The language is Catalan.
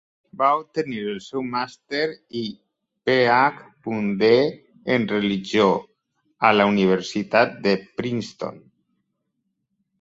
Va obtenir el seu màster i Ph.D en Religió, a la Universitat de Princeton.